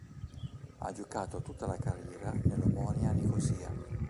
Ha giocato tutta la carriera nell'Omonia Nicosia.